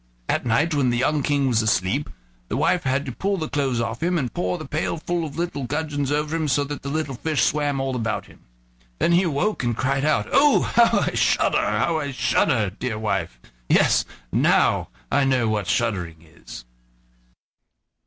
At night, when the young King was asleep, his wife had to pull the clothes off him, and pour the pail full of little gudgeons over him, so that the little fish swam all about him. Then he awoke and cried out: "Oh! how I shudder, how I shudder, dear wife! Yes, now I know what shuddering is."